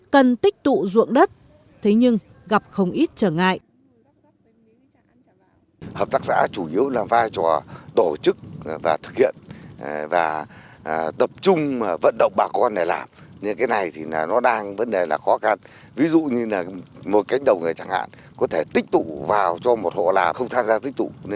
cần tích tụ ruộng đất thế nhưng gặp không ít trở ngại